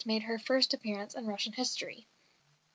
made her first appearance in Russian history."